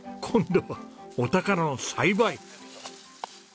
今度はお宝を栽培？